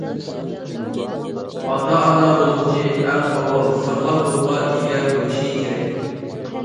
ئاتا- ئانا بولغۇچى، ئەڭ ئاۋۋال ساغلام روھقا ئىگە بولۇشى كېرەك.